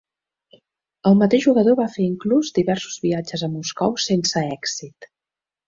El mateix jugador va fer inclús diversos viatges a Moscou sense èxit.